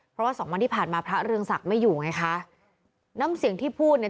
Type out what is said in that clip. เพราะว่าสองวันที่ผ่านมาพระเรืองศักดิ์ไม่อยู่ไงคะน้ำเสียงที่พูดเนี่ย